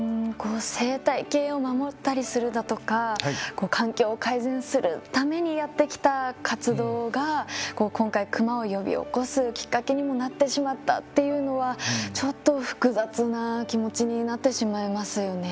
生態系を守ったりするだとか環境を改善するためにやってきた活動が今回クマを呼び起こすきっかけにもなってしまったっていうのはちょっと複雑な気持ちになってしまいますよね。